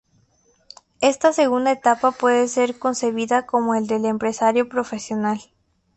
Esta segunda etapa puede ser concebida como la del empresario profesional.